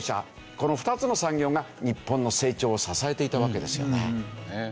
この２つの産業が日本の成長を支えていたわけですよね。